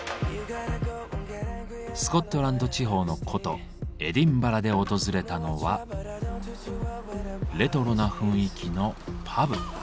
スコットランド地方の古都エディンバラで訪れたのはレトロな雰囲気のパブ。